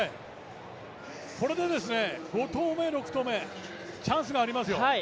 これで５投目、６投目、チャンスがありますよ。